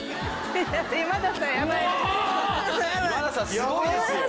すごいですよ。